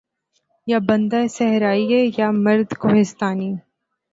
یا بندہ صحرائی یا مرد کہستانی